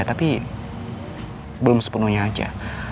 tapi belum sepenuhnya aja